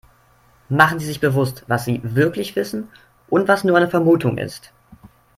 Machen Sie sich bewusst, was sie wirklich wissen und was nur eine Vermutung ist.